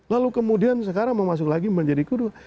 lalu kemudian sekarang mau masuk lagi menjadi kudus